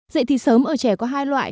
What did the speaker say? dạy thì sớm ở trẻ có hai loại